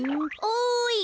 おい！